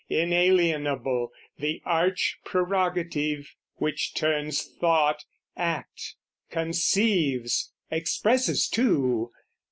Inalienable, the arch prerogative Which turns thought, act conceives, expresses too!